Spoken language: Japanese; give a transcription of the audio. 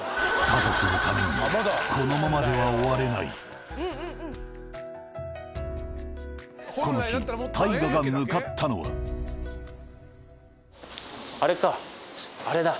家族のためにこのままでは終われないこの日ＴＡＩＧＡが向かったのはあれかあれだ。